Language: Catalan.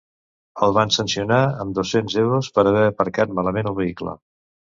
El van sancionar amb dos-cents euros per haver aparcat malament el vehicle.